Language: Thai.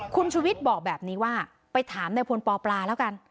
คุณชุวิตบอกแบบนี้ว่าไปถามในพลปปลาแล้วกัน